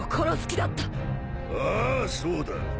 ああそうだ。